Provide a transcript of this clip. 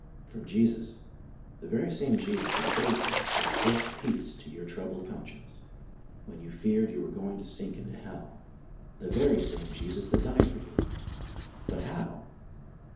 From Jesus, the very same Jesus that saved you and spoke peace to your troubled con science, when you feared you were going to sink into hell. The very same Jesus that died for you. But how?